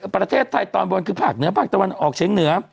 ประเทศไทยตอนบนคือภาคเหนือภาคตะวันออกเชียงเหนือ